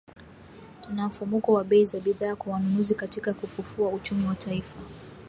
na mfumuko wa bei za bidhaa kwa wanunuzi katika kufufua uchumi wa taifa